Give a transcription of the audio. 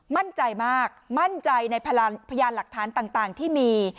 มั่นใจมากมั่นใจในพยานหลักฐานต่างที่มี